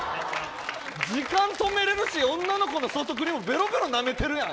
時間止めれるし、女の子のソフトクリームベロベロなめてるやん。